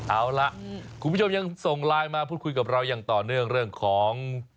เอาล่ะคุณผู้ชมยังส่งไลน์มาพูดคุยกับเราอย่างต่อเนื่องเรื่องของ